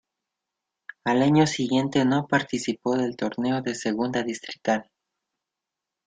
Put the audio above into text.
Al año siguiente no participó del torneo de Segunda distrital.